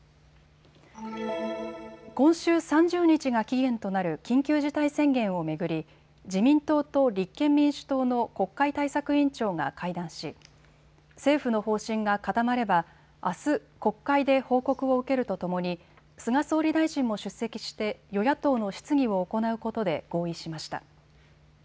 今週３０日が期限となる緊急事態宣言を巡り自民党と立憲民主党の国会対策委員長が会談し政府の方針が固まればあす、国会で報告を受けるとともに菅総理大臣も出席して与野党の質疑を行うことで合意しました。